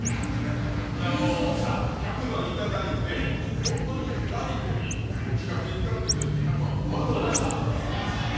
１００万いただいて、本当に「ラヴィット！」に企画に使ってくれって１００万丸々渡したんですよ。